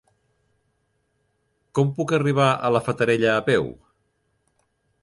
Com puc arribar a la Fatarella a peu?